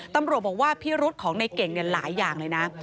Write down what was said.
ตำรวจบอกว่าพิรุษของในเก่งหลายอย่างเลยนะ